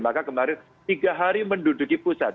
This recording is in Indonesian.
maka kemarin tiga hari menduduki pusat